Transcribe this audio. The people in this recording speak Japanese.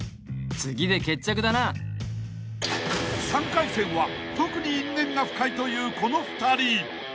［３回戦は特に因縁が深いというこの２人］